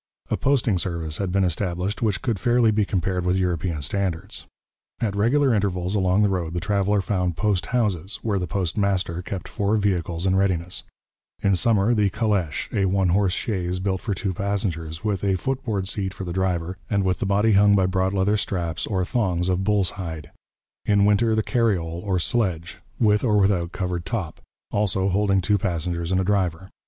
' A posting service had been established which could fairly be compared with European standards. At regular intervals along the road the traveller found post houses, where the post master kept four vehicles in readiness: in summer the calèche, a one horse chaise built for two passengers, with a footboard seat for the driver and with the body hung by broad leather straps or thongs of bull's hide; in winter the carriole, or sledge, with or without covered top, also holding two passengers and a driver.